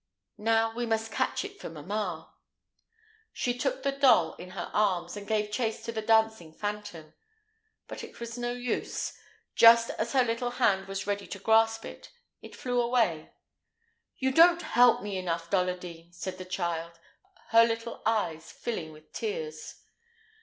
Now, we must catch it for mamma." She took the doll in her arms, and gave chase to the dancing phantom. But it was no use; just as her little hand was ready to grasp it, it flew away. "You don't help me enough, Dolladine," said the child, her little eyes filling with tears.